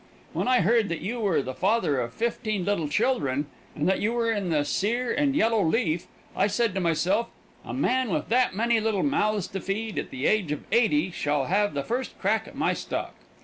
When I heard that you were the father of fifteen little children, and that you were in the sere and yellow leaf, I said to myself, a man with that many little mouths to feed, at the age of eighty, shall have the first crack at my stock.